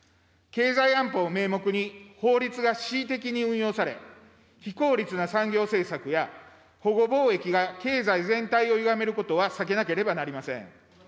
経済安保を名目に法律が恣意的に運用され、非効率な産業政策や保護貿易が経済全体をゆがめることは避けなければなりません。